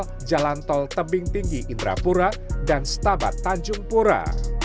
di jalan tol tebing tinggi indrapura dan setabat tanjung pura